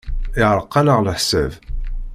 Yeɛreq-aneɣ leḥsab.